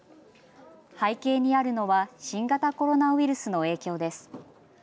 背景にあるのは新型コロナウイルスの影響です。